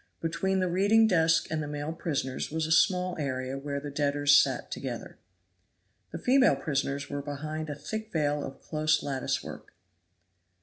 Between the reading desk and the male prisoners was a small area where the debtors sat together. The female prisoners were behind a thick veil of close lattice work.